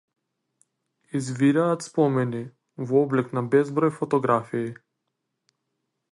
Извираат спомени, во облик на безброј фотографии.